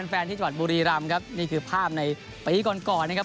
แฟนที่จัดบุรีรัมณ์ครับนี่คือก็คือภาพในปีกร่อนนะครับ